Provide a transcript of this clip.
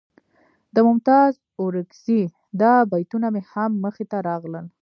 د ممتاز اورکزي دا بیتونه مې هم مخې ته راغلل.